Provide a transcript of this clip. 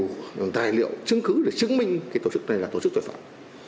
đầy đủ tài liệu chứng cứ để chứng minh cái tổ chức này là tổ chức tội phạm